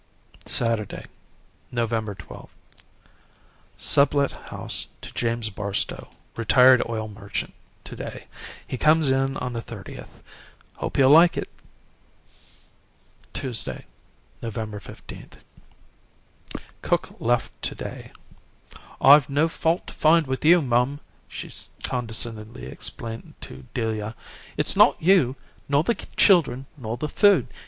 "Saturday, November 12th. Sublet house to James Barstow, retired oil merchant, to day. He comes in on the 30th. Hope he'll like it! "Tuesday, November 15th. Cook left to day. 'I've no fault to find with you, mum,' she condescendingly explained to Delia. 'It's not you, nor the children, nor the food.